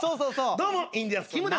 どうもインディアンスのきむです。